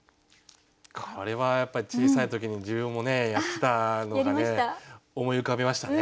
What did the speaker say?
これはやっぱり小さい時に自分もねやってたのがね思い浮かびましたね。